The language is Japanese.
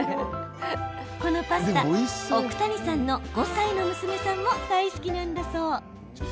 このパスタ奥谷さんの５歳の娘さんも大好きなんだそう。